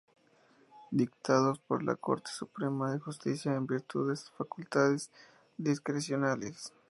Dictados por la Corte Suprema de Justicia en virtud de sus facultades discrecionales.